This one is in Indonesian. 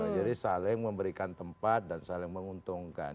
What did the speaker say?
jadi saling memberikan tempat dan saling menguntungkan